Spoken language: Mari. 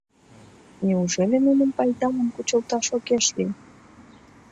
Неужели нуным пайдалын кучылташ огеш лий?